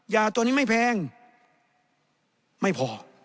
ยาตัวนี้ไม่แพงไม่พอ